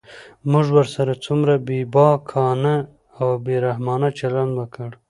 موږ ورسره څومره بېباکانه او بې رحمانه چلند وکړ.